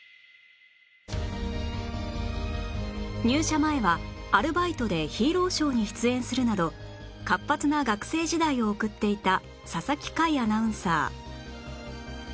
入社前はアルバイトでヒーローショーに出演するなど活発な学生時代を送っていた佐々木快アナウンサー